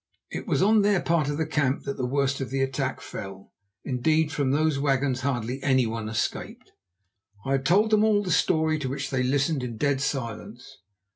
It was on their part of the camp that the worst of the attack fell. Indeed, from those wagons hardly anyone escaped. I had told them all the story, to which they listened in dead silence.